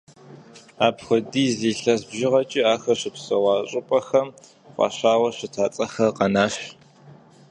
Апхуэдиз илъэс бжыгъэкӏэ ахэр щыпсэуа щӏыпӏэхэм фӏащауэ щыта цӏэхэр къэнащ.